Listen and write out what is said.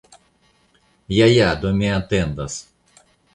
Ja, ja, do mi atendas.